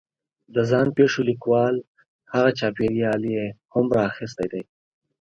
د ځان پېښو لیکوال هغه چاپېریال یې هم را اخستی دی